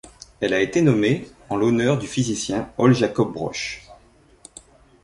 Elle a été nommée en l'honneur du physicien Ole Jacob Broch.